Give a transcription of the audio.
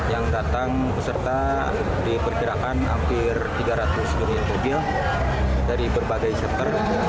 yang datang peserta diperkirakan hampir tiga ratus durian mobil dari berbagai sektor